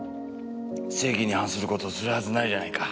正義に反する事をするはずないじゃないか。